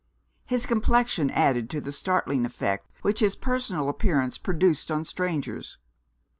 His complexion added to the startling effect which his personal appearance produced on strangers.